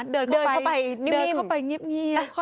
เดินเข้าไปเงียบ